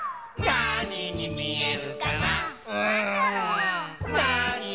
なににみえるかな